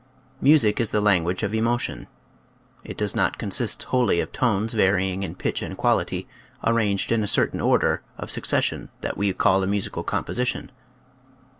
Music is the language of emotion. It does not consist wholly of tones varying in pitch and quality, arranged in a certain order of succession that we call a musical composition.